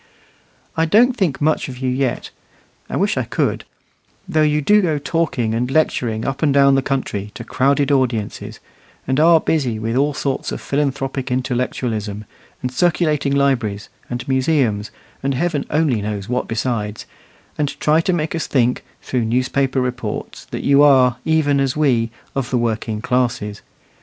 I don't think much of you yet I wish I could though you do go talking and lecturing up and down the country to crowded audiences, and are busy with all sorts of philanthropic intellectualism, and circulating libraries and museums, and Heaven only knows what besides, and try to make us think, through newspaper reports, that you are, even as we, of the working classes.